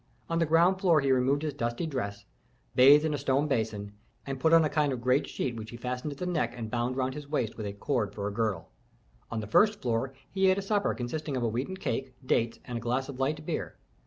On the ground floor he removed his dusty dress, bathed in a stone basin, and put on a kind of great sheet which he fastened at the neck and bound round his waist with a cord for a girdle. On the first floor he ate a supper consisting of a wheaten cake, dates, and a glass of light beer.